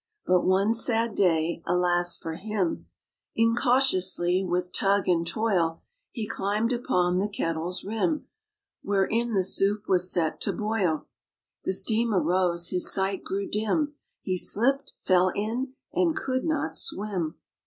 But one sad day, alas for him ! Incautiously, with tug and toil, He climbed upon the kettle's rim Wherein the soup was set to boil. The steam arose, his sight grew dim. He slipped, fell in, and could not swim.